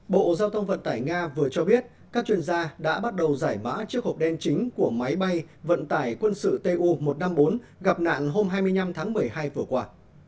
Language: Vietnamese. bộ giao thông vận tải nga vừa cho biết các chuyên gia đã bắt đầu giải mã chiếc hộp đen chính của máy bay vận tải quân sự tu một trăm năm mươi bốn gặp nạn hôm hai mươi năm tháng một mươi hai vừa qua